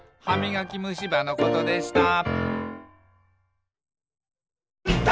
「はみがきむしばのことでした」